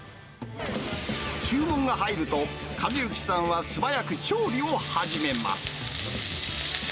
注文が入ると、和幸さんは素早く調理を始めます。